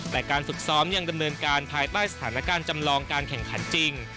แต่การฝึกซ้อมยังดำเนินการภายใต้สถานการณ์จำลองการแข่งขันจริง